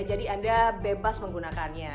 jadi anda bebas menggunakannya